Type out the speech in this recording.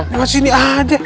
lewat sini aja